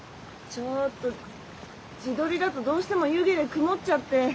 ちょっと自撮りだとどうしても湯気で曇っちゃって。